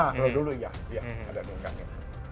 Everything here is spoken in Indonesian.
kalau dulu iya iya ada dengannya